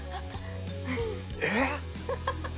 えっ！？